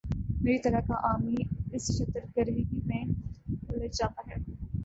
میری طرح کا عامی اس شتر گربگی میں الجھ جاتا ہے۔